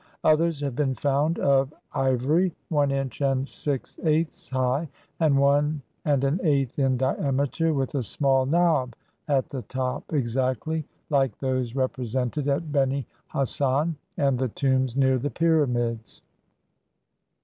Others have been found, of ivory, one inch and six eighths high, and one and an eighth in diameter, with a small knob at the top, exactly like those represented at Beni Hassan, and the tombs near the Pyramids.